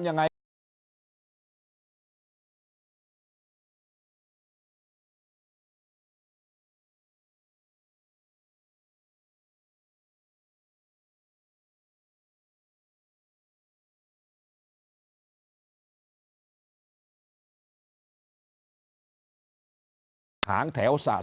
สวัสดีครับท่านผู้ชมครับ